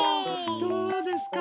どうですか？